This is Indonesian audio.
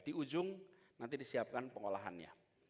di ujung nanti disiapkan pengolahannya